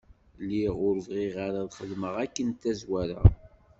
Lliɣ ur bɣiɣ ara ad xedmeɣ akken tazwara.